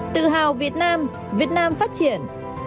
tự hào việt nam việt nam phát triển